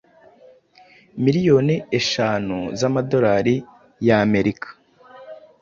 miriyoni eshanu z’amadorari y’Amerika